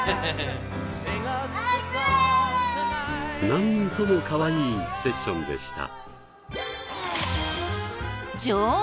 なんともかわいいセッションでした。